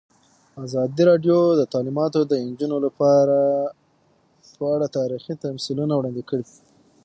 ازادي راډیو د تعلیمات د نجونو لپاره په اړه تاریخي تمثیلونه وړاندې کړي.